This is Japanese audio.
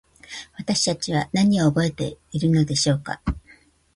私たちは何を覚えているのでしょうか。